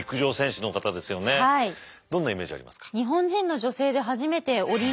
どんなイメージありますか。